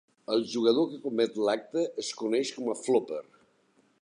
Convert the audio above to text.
El jugador que comet l'acte es coneix com a flopper.